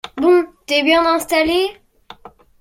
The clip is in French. Bon, t’es bien installé ?